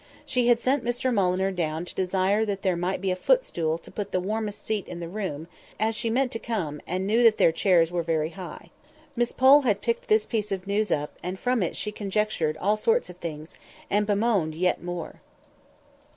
She had sent Mr Mulliner down to desire that there might be a footstool put to the warmest seat in the room, as she meant to come, and knew that their chairs were very high. Miss Pole had picked this piece of news up, and from it she conjectured all sorts of things, and bemoaned yet more.